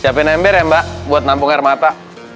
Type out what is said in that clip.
siapin ember ya mbak buat nampung air mata